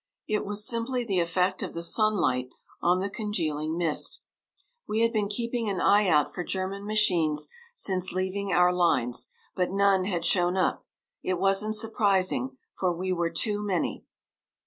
It was simply the effect of the sunlight on the congealing mist. We had been keeping an eye out for German machines since leaving our lines, but none had shown up. It wasn't surprising, for we were too many.